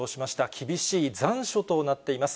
厳しい残暑となっています。